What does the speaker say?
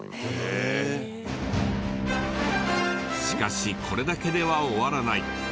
しかしこれだけでは終わらない。